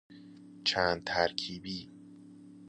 چند ترکیبی